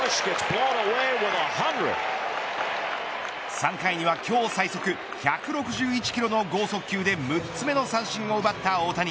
３回には今日最速１６１キロの剛速球で６つ目の三振を奪った大谷。